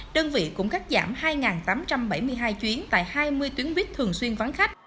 đơn vị cũng cắt giảm hai tám trăm bảy mươi hai chuyến tại hai mươi tuyến buýt thường xuyên vắng khách